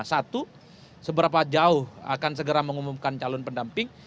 satu seberapa jauh akan segera mengumumkan calon pendamping